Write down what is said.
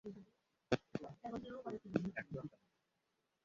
তো, তুমি এখন কী তাহলে?